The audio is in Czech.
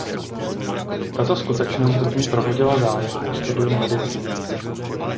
Tato skutečnost v ní probudila zájem o studium medicíny.